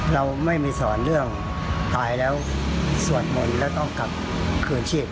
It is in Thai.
เราไม่มีสอนเรื่องตายแล้วสวดมนต์แล้วต้องกลับคืนชีพ